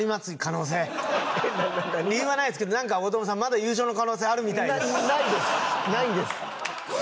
理由はないですけどなんか大友さんまだ優勝の可能性あるみたいですないですないんです